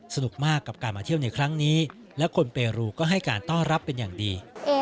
สนุกมากกับการมาเที่ยวในครั้งนี้และคนเปรูก็ให้การต้อนรับเป็นอย่างดี